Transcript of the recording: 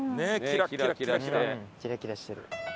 キラキラしてる。